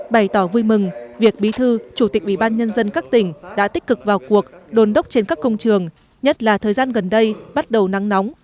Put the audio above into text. bày tỏ vui mừng việc bí thư chủ tịch ủy ban nhân dân các tỉnh đã tích cực vào cuộc đồn đốc trên các công trường nhất là thời gian gần đây bắt đầu nắng nóng